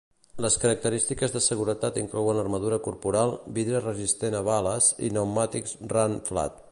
Les característiques de seguretat inclouen armadura corporal, vidre resistent a bales i pneumàtics run-flat.